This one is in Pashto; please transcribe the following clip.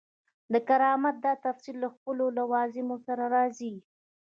د کرامت دا تفسیر له خپلو لوازمو سره راځي.